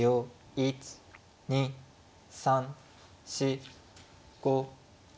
１２３４５。